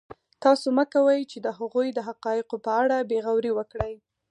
تاسو مه کوئ چې د هغوی د حقایقو په اړه بې غوري وکړئ.